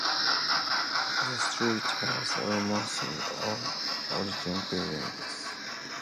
The street has almost all its original buildings with minimal external changes.